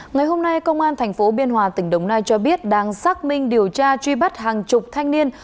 ngày hôm nay công an tp biên hòa tỉnh đồng nai cho biết đang xác minh điều tra truy bắt hàng chục thanh niên